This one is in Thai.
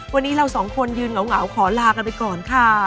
วันนี้เราสองคนยืนเหงาขอลากันไปก่อนค่ะ